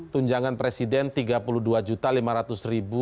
tunjangan presiden rp tiga puluh dua lima ratus